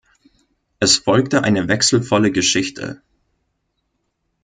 Es folgte eine wechselvolle Geschichte.